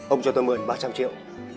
ông cho tôi mượn ba trăm linh triệu